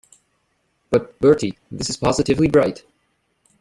But, Bertie, this is positively bright.